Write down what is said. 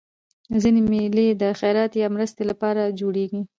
ځيني مېلې د خیرات یا مرستي له پاره جوړېږي.